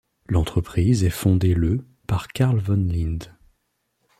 L'entreprise est fondée le par Carl von Linde.